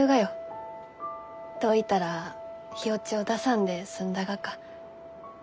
どういたら火落ちを出さんで済んだがか。